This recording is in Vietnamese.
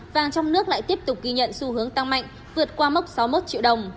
vàng trong nước lại tiếp tục ghi nhận xu hướng tăng mạnh vượt qua mốc sáu mươi một triệu đồng